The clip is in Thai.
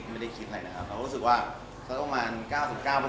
แต่ทำไมจากนี้คนเข้ามาเหมือนคำเม้นดาวน์บ้านอะไรอย่างนี้แสดงภาษา